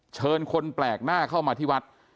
เชิญคนแปลกหน้าเข้ามาที่วัด